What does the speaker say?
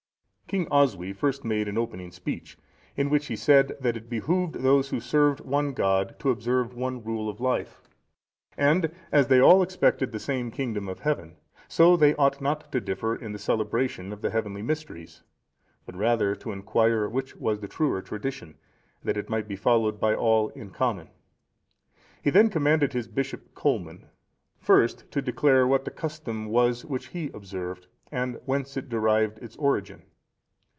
King Oswy first made an opening speech, in which he said that it behoved those who served one God to observe one rule of life; and as they all expected the same kingdom in heaven, so they ought not to differ in the celebration of the heavenly mysteries; but rather to inquire which was the truer tradition, that it might be followed by all in common; he then commanded his bishop, Colman, first to declare what the custom was which he observed, and whence it derived its origin.